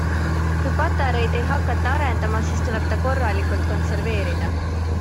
Kui Patareid ei hakata arendama, siis tuleb ta korralikult konserveerida.